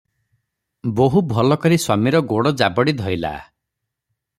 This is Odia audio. ବୋହୂ ଭଲ କରି ସ୍ୱାମୀର ଗୋଡ଼ ଜାବଡ଼ି ଧଇଲା ।